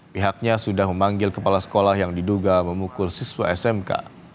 pihaknya sudah memanggil kepala sekolah yang diduga memukul siswa smk